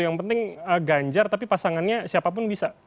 yang penting ganjar tapi pasangannya siapapun bisa